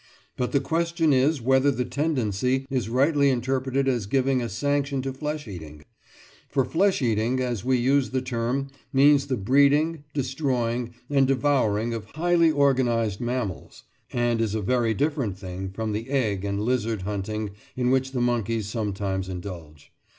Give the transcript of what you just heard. But the question is whether the tendency is rightly interpreted as giving a sanction to flesh eating. For flesh eating, as we use the term, means the breeding, destroying, and devouring of highly organised mammals, and is a very different thing from the egg and lizard hunting in which the monkeys sometimes indulge.